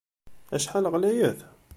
Acḥal ɣlayet!